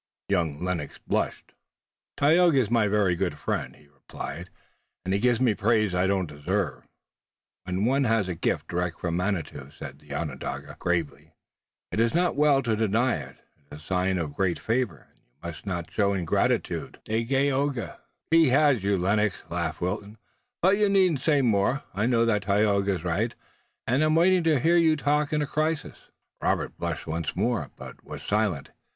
Young Lennox blushed. "Tayoga is my very good friend," he replied, "and he gives me praise I don't deserve." "When one has a gift direct from Manitou," said the Onondaga, gravely, "it is not well to deny it. It is a sign of great favor, and you must not show ingratitude, Dagaeoga." "He has you, Lennox," laughed Wilton, "but you needn't say more. I know that Tayoga is right, and I'm waiting to hear you talk in a crisis." Robert blushed once more, but was silent.